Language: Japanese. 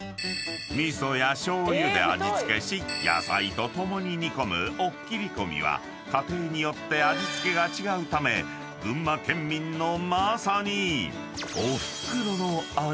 ［味噌やしょうゆで味付けし野菜と共に煮込むおっ切り込みは家庭によって味付けが違うため群馬県民のまさにおふくろの味］